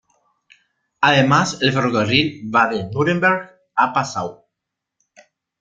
Además el ferrocarril va de Núremberg a Passau.